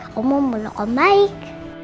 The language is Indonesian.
aku mau meluk om baik